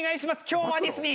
今日はですね